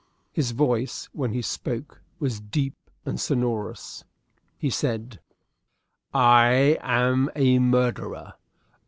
His voice, when he spoke, was deep and sonorous. He said, "I am a murderer.